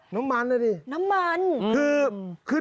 น้ำมันน่ะสิน้ำมันอืมอืมอืม